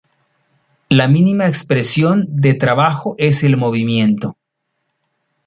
La mínima expresión de trabajo es el movimiento.